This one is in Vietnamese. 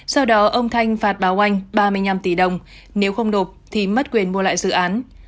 sau đó ông thanh phạt báo oanh ba mươi năm tỷ đồng nếu không nộp thì mất quyền mua lại dự án